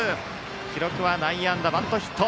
記録は内野安打、バントヒット。